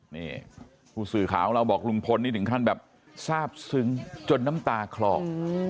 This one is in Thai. นี่ผู้สื่อข่าวของเราบอกลุงพลนี่ถึงขั้นแบบทราบซึ้งจนน้ำตาคลอก